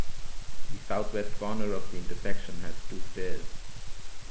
The southwest corner of the intersection has two stairs.